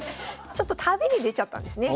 ちょっと旅に出ちゃったんですね。